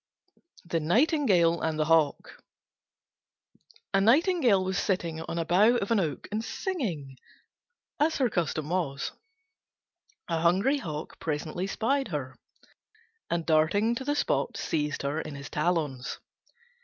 THE NIGHTINGALE AND THE HAWK A Nightingale was sitting on a bough of an oak and singing, as her custom was. A hungry Hawk presently spied her, and darting to the spot seized her in his talons.